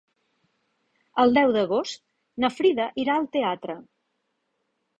El deu d'agost na Frida irà al teatre.